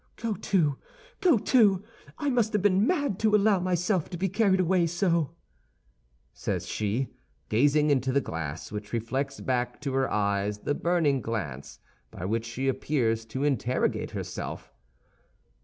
"Go to, go to! I must have been mad to allow myself to be carried away so," says she, gazing into the glass, which reflects back to her eyes the burning glance by which she appears to interrogate herself.